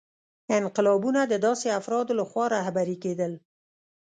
انقلابونه د داسې افرادو لخوا رهبري کېدل.